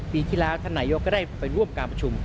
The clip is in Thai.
ปีที่แล้วท่านนายกก็ได้ไปร่วมการประชุม